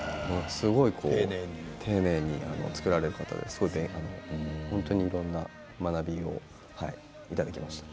すごい丁寧に作られて本当にいろいろな学びをいただきました。